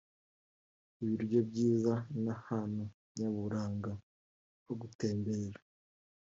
ibiryo byiza n’ahantu nyaburanga ho gutemberera